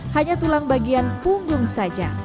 hanya tulang bagian punggung saja